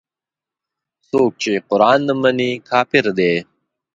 څوک چې قران نه مني کافر دی.